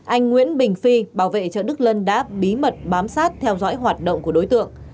anh nguyễn bình phi bảo vệ chợ đức lân đã bí mật bám sát theo dõi hoạt động của đối tượng